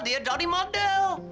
dia jadi model